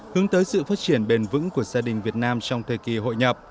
hướng tới sự phát triển bền vững của gia đình việt nam trong thời kỳ hội nhập